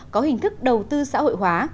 có hình thức đầu tư xã hội hóa